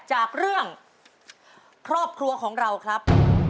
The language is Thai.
จากเรื่องครอบครัวของเราครับ